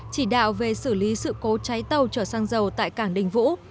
chỉ đạo về xử lý sự cố cháy tàu chở xăng dầu tại cảng đình vũ